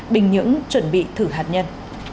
bình nhưỡng chuẩn bị thử hạt nhân